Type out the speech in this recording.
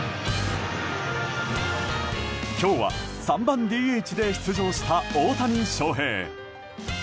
今日は３番ＤＨで出場した大谷翔平。